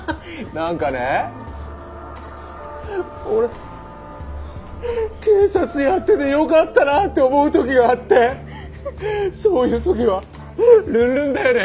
何かね俺警察やっててよかったなって思う時があってそういう時はルンルンだよね。